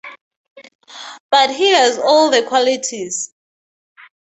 But he has all the qualities.